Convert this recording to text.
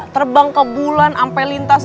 terbang ke bulan sampai lintas